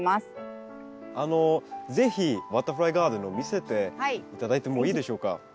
あの是非バタフライガーデンを見せて頂いてもいいでしょうか？